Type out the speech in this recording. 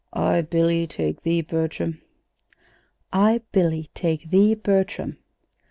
"I, Billy, take thee, Bertram." "'I, Billy, take thee, Bertram.'"